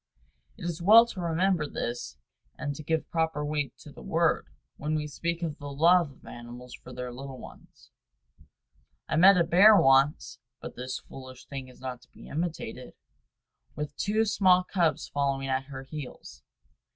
It is well to remember this, and to give proper weight to the word, when we speak of the love of animals for their little ones. I met a bear once but this foolish thing is not to be imitated with two small cubs following at her heels.